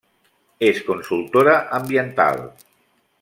És consultora ambiental.